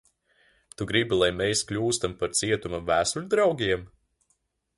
Tu gribi, lai mēs kļūstam par cietuma vēstuļdraugiem?